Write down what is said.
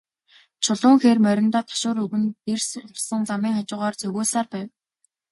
Чулуун хээр мориндоо ташуур өгөн, дэрс ургасан замын хажуугаар цогиулсаар байв.